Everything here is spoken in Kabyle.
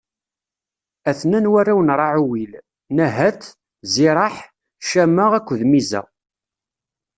A-ten-an warraw n Raɛuwil: Naḥat, Ziraḥ, Cama akked Miza.